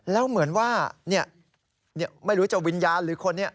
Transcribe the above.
แล้วเหมือนว่าไม่รู้จะวิญญาณหรือคนนี้